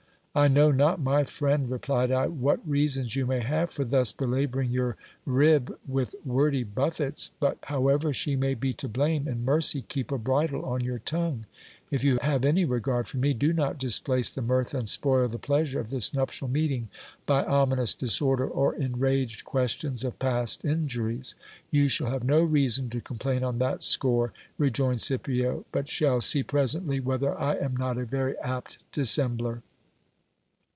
I know not, my friend, replied I, what reasons you may have for thus belabouring your rib with wordy buffets, but however she may be to blame, in mercy keep a bridle on your tongue ; if you have any regard for me, do not displace the mirth and spoil the pleasure of this nuptial meeting, by ominous disorder or enraged questions of past injuries. You shall have no reason to complain on that score, rejoined Scipio ; but shall see presently whether I am not a very apt dissembler.